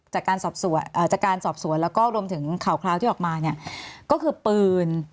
จากการสอบสวนแล้วก็รวมถึงข่าวคลาวที่ออกมาเนี่ยก็คือปืน